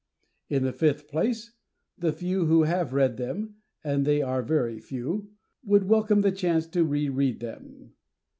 In the fifth place, the few who have read them and they are very few would welcome the chance to re read them.